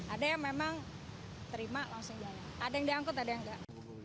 ada yang memang terima langsung balik ada yang dianggut ada yang tidak